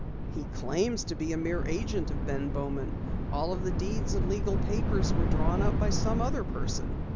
"He claims to be a mere agent of Ben Bowman. All of the deeds and legal papers were drawn up by some other person.